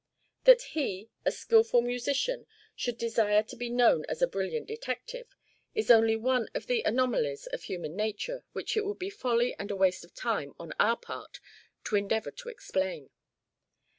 That he, a skilful musician, should desire to be known as a brilliant detective, is only one of the anomalies of human nature which it would be folly and a waste of time on our part to endeavour to explain.